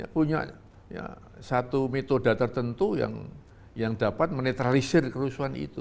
punya satu metode tertentu yang dapat menetralisir kerusuhan itu